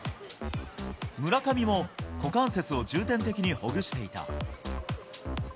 村上も股関節を重点的にほぐしていた。